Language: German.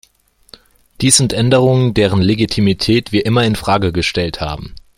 Dies sind Änderungen, deren Legitimität wir immer in Frage gestellt haben.